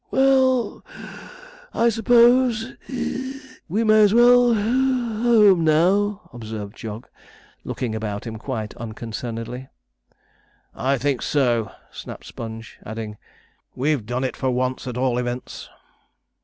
'Well (puff), I s'pose (wheeze) we may as well (puff) home now?' observed Jog, looking about him quite unconcernedly. 'I think so,' snapped Sponge, adding, 'we've done it for once, at all events.'